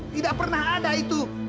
tidak pernah ada itu